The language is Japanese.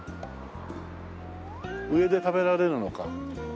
上で食べられるのか。